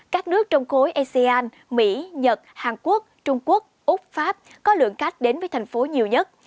các nước trong khối asean mỹ nhật hàn quốc trung quốc úc pháp có lượng khách đến với thành phố nhiều nhất